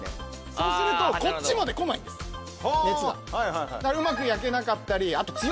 そうするとこっちまでこないんです熱が。